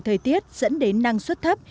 thời tiết dẫn đến năng suất thấp